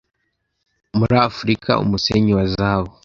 muri afurika umusenyi wa zahabu